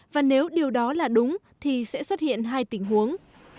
và nếu điều đó là đúng thì sẽ xuất hiện hai tình huống